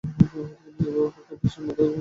এইভাবে, ব্রহ্মা পাঁচটি মাথা তৈরি করেছিলেন।